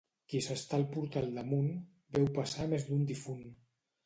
Qui s'està al portal d'Amunt, veu passar més d'un difunt.